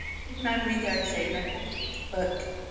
His memory goes in a pocket book.